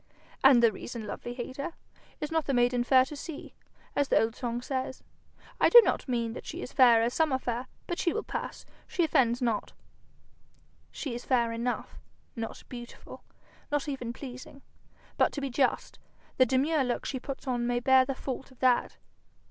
'And the reason, lovely hater? "Is not the maiden fair to see?" as the old song says. I do not mean that she is fair as some are fair, but she will pass; she offends not.' 'She is fair enough not beautiful, not even pleasing; but, to be just, the demure look she puts on may bear the fault of that.